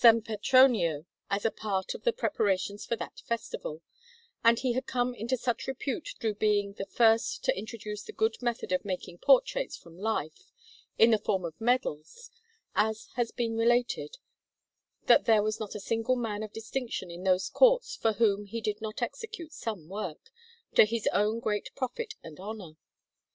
Petronio as a part of the preparations for that festival; and he had come into such repute through being the first to introduce the good method of making portraits from life in the form of medals, as has been related, that there was not a single man of distinction in those Courts for whom he did not execute some work, to his own great profit and honour.